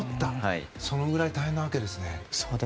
そのぐらい大変なわけですね。